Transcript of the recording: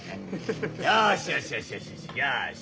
よしよしよしよしよしよし。